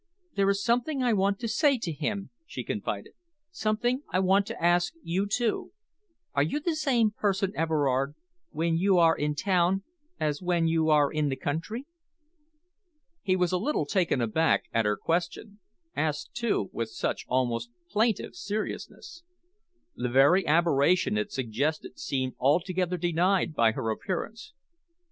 "There is something I want to say to him," she confided, "something I want to ask you, too. Are you the same person, Everard, when you are in town as when you are in the country?" He was a little taken aback at her question asked, too, with such almost plaintive seriousness. The very aberration it suggested seemed altogether denied by her appearance.